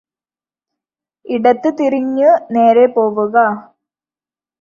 ഇടത്തു തിരിഞ്ഞു നേരെ പോവുക